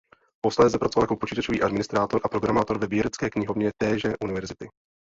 Posléze pracoval jako počítačový administrátor a programátor ve vědecké knihovně téže univerzity.